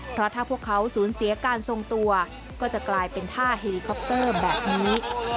เพราะถ้าพวกเขาสูญเสียการทรงตัวก็จะกลายเป็นท่าเฮลิคอปเตอร์แบบนี้